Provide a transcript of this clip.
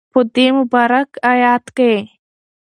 په دی مبارک ایت کی